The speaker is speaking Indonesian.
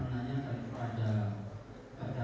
oleh mereka terdapat